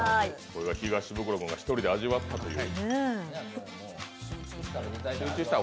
これが東ブクロ君が一人で味わったという。